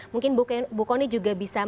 mungkin bu kony juga bisa menjabarkan lebih lanjut